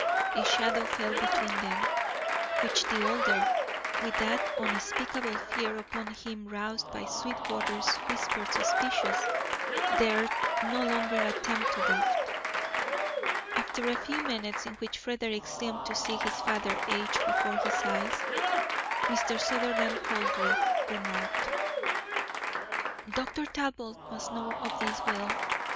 A shadow fell between them, which the older, with that unspeakable fear upon him roused by Sweetwater's whispered suspicions, dared no longer attempt to lift. After a few minutes in which Frederick seemed to see his father age before his eyes, Mr. Sutherland coldly remarked: "Dr. Talbot must know of this will.